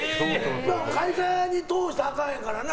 会社に通したらあかんからな。